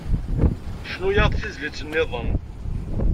Cnu-aɣ-d tizlit-nniḍen.